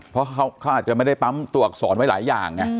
เพราะเขาอาจจะไม่ได้ปั๊มตัวอักษรไว้หลายอย่างไง